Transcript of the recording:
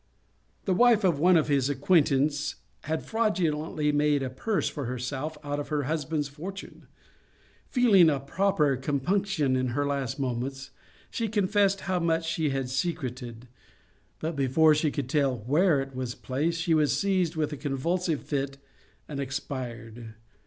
The wife of one of his acquaintance had fraudulently made a purse for herself out of her husband's fortune. Feeling a proper compunction in her last moments, she confessed how much she had secreted; but before she could tell where it was placed, she was seized with a convulsive fit and expired.